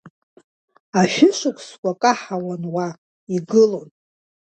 Ашәышықәсақәа каҳауан уа, игылон…